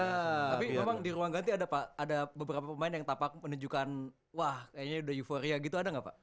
tapi memang di ruang ganti ada pak ada beberapa pemain yang menunjukkan wah kayaknya udah euforia gitu ada nggak pak